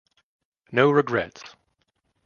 No regrets.